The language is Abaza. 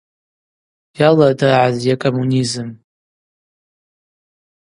Йалырдыргӏазйа кӏамунизм.